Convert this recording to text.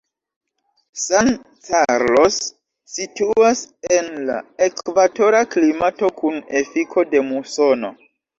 San Carlos situas en la ekvatora klimato kun efiko de musono.